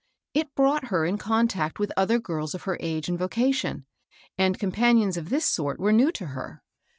It brought her in contact with other girls of her age and vocation, and companions of this sort were new to her.